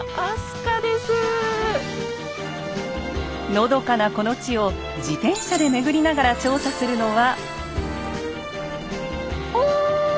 のどかなこの地を自転車で巡りながら調査するのは。